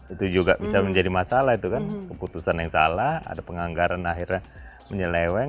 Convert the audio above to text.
itu juga bisa menjadi masalah itu kan keputusan yang salah ada penganggaran akhirnya menyeleweng